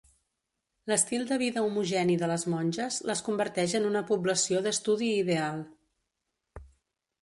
L'estil de vida homogeni de les monges les converteix en una població d'estudi ideal.